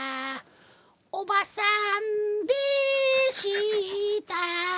「おばさんでした」